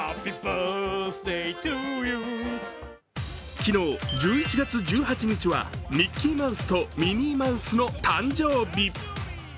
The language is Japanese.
昨日１１月１８日はミッキーマウスとミニーマウスの誕生日。